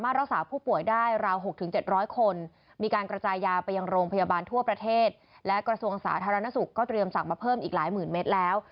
รักษาผู้ป่วยได้ราว๖๗๐๐คนมีการกระจายยาไปยังโรงพยาบาลทั่วประเทศและกระทรวงสาธารณสุขก็เตรียมสั่งมาเพิ่มอีกหลายหมื่นเมตรแล้ว